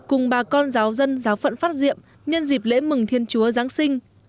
cùng bà con giáo dân giáo phận phát diệm nhân dịp lễ mừng thiên chúa giáng sinh